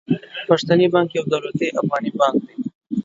پښتني بانک يو دولتي افغاني بانک دي.